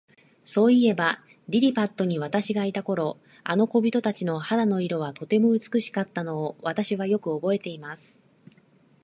そういえば、リリパットに私がいた頃、あの小人たちの肌の色は、とても美しかったのを、私はよくおぼえています。